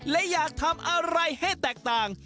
และอยากทำอะไรให้แตกต่าง